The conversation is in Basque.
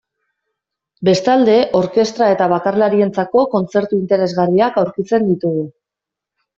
Bestalde, orkestra eta bakarlarientzako kontzertu interesgarriak aurkitzen ditugu.